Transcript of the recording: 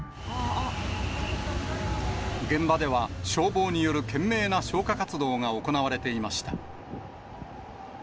現場では消防による懸命な消火活動が行われていました。